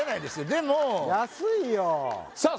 でも安いよさあ